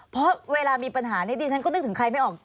เพราะเวลามีปัญหานี้ดิฉันก็นึกถึงใครไม่ออก